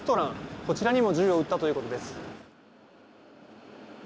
こちらにも銃を撃ったということです。